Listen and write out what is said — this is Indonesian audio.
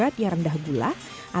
atau dengan minyak yang sangat rendah gula